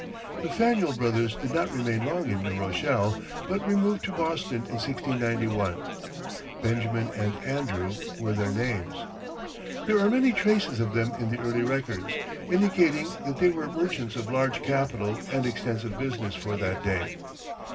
The Faneuil brothers did not remain long in New Rochelle, but removed to Boston in 1691. Benjamin and Andrew were their names. There are many traces of them in the early records, indicating that they were merchants of large capital and extensive business for that day.